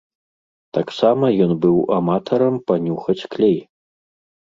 Таксама ён быў аматарам панюхаць клей.